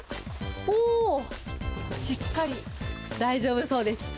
おー、しっかり、大丈夫そうです。